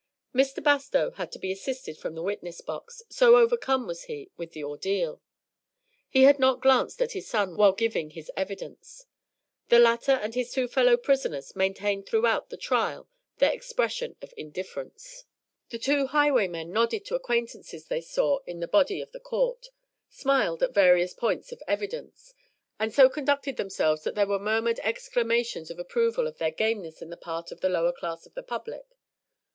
Mr. Bastow had to be assisted from the witness box, so overcome was he with the ordeal. He had not glanced at his son while giving his evidence. The latter and his two fellow prisoners maintained throughout the trial their expression of indifference. The two highwaymen nodded to acquaintances they saw in the body of the court, smiled at various points in the evidence, and so conducted themselves that there were murmured exclamations of approval of their gameness on the part of the lower class of the public.